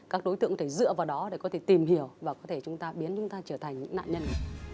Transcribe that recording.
các đối tượng có thể dựa vào đó để có thể tìm hiểu và có thể biến chúng ta trở thành nạn nhân